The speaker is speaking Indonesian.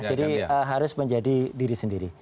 jadi harus menjadi diri sendiri